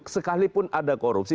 sekalipun ada korupsi